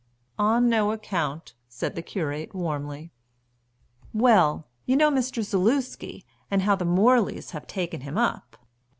"On no account," said the curate, warmly. "Well, you know Mr. Zaluski, and how the Morleys have taken him up?"